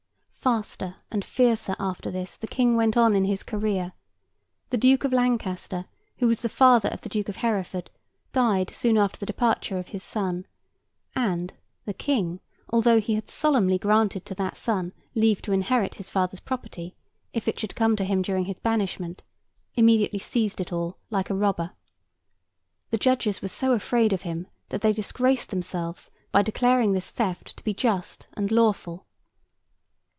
Faster and fiercer, after this, the King went on in his career. The Duke of Lancaster, who was the father of the Duke of Hereford, died soon after the departure of his son; and, the King, although he had solemnly granted to that son leave to inherit his father's property, if it should come to him during his banishment, immediately seized it all, like a robber. The judges were so afraid of him, that they disgraced themselves by declaring this theft to be just and lawful.